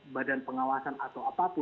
badan pengawasan atau apapun